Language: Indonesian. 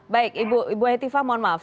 baik ibu hetiva mohon maaf